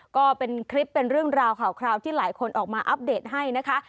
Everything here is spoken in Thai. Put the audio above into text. ก็เป็นคลิปเป็นเรื่องราวข่าวคราวที่หลายคนออกมาอัปเดตให้นะคะ